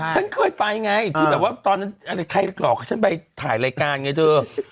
ฉันเกิดไปไงว่าตอนนั้นใครหลอกฉันไปถ่ายรายการไงเธอ